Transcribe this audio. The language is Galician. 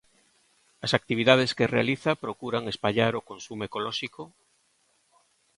As actividades que realiza procuran espallar o consumo ecolóxico?